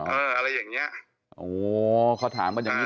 อะไรอย่างเงี้ยโอ้เขาถามกันอย่างนี้